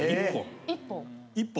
１本。